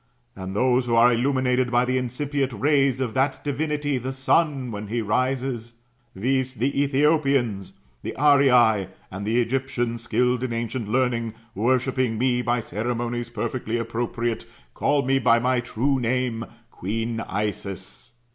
And those who are illuminated by the incipient rays of that divinity the Sun, when he rises, viz. the Ethiopians, the Arii, and the Egyptians skilled in ancient learning, worshipping me by ceremonies perfectly appropriate, call me by my true name, queen Isis.